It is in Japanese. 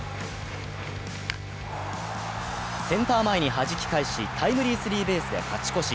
センター前にはじき返しタイムリースリーベースで勝ち越し。